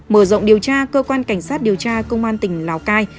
mở rộng điều tra cơ quan cảnh sát điều tra công an tỉnh lào cai